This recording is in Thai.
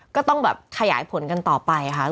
ก็ต้องแบบขยายผลกันต่อไปค่ะ